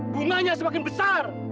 bunganya semakin besar